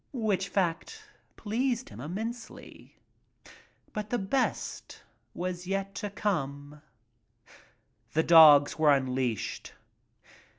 Which fact pleased him immensely. But the "best" was yet to come. The dogs were unleashed.